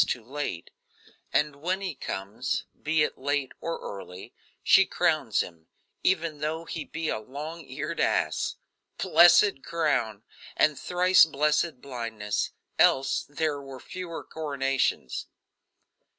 too late and when he comes, be it late or early, she crowns him, even though he be a long eared ass. Blessed crown! and thrice blessed blindness else there were fewer coronations.